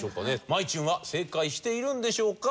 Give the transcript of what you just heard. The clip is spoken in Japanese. まいちゅんは正解しているんでしょうか？